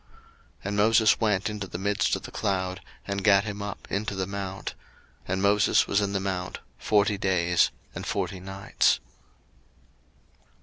02:024:018 And Moses went into the midst of the cloud, and gat him up into the mount: and Moses was in the mount forty days and forty nights.